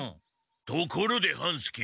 ところで半助。